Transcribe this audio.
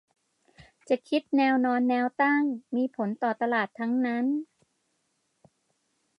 จะคิดแนวนอนแนวตั้ง มีผลต่อตลาดทั้งนั้น